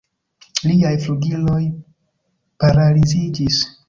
Liaj flugiloj paraliziĝis.